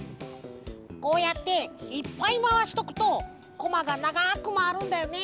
こうやっていっぱいまわしとくとこまがながくまわるんだよね。